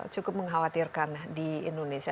cukup mengkhawatirkan di indonesia